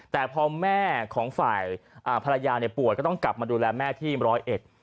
แต่พอแม่ของฝ่ายอ่าภรรยาเนี่ยป่วยก็ต้องกลับมาดูแลแม่ที่ร้อยเอ็ด